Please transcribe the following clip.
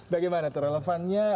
bagaimana tuh relevan nya